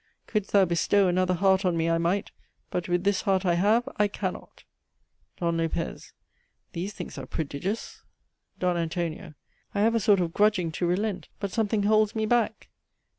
Could'st thou bestow another heart on me I might. But with this heart I have, I can not. "D. LOPEZ. These things are prodigious. "D. ANTON. I have a sort of grudging to relent, but something holds me back.